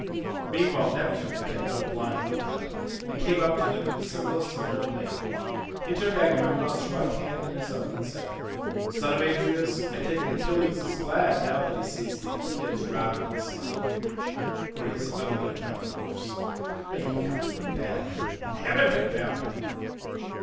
Meanwhile Neptune had kept no blind look out, and came up to them in the semblance of an old man. He took Agamemnon's right hand in his own and said, "Son of Atreus, I take it Achilles is glad now that he sees the Achaeans routed and slain, for he is utterly without remorse—may he come to a bad end and heaven confound him.